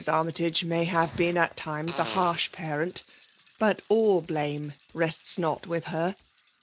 Armjrtage may have been at times a harsh parent ; but all blame rests not with her.